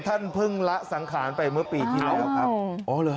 ท่านเพิ่งละสังขารไปเมื่อปีที่แล้วครับอ๋อเหรอ